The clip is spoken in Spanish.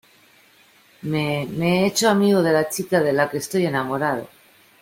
me, me he hecho amigo de la chica de la que estoy enamorado